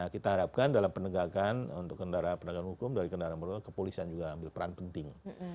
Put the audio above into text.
kita harapkan dalam penegakan untuk kendaraan hukum dari kendaraan penumpang kepolisian juga ambil peran penting